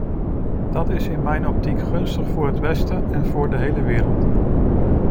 Dat is in mijn optiek gunstig voor het westen en voor de hele wereld.